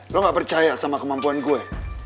lo gak percaya sama kemampuan gue